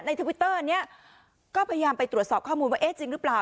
ทวิตเตอร์อันนี้ก็พยายามไปตรวจสอบข้อมูลว่าเอ๊ะจริงหรือเปล่า